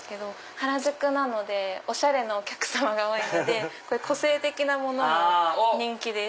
原宿なのでおしゃれなお客様が多いのでこういう個性的なものも人気です。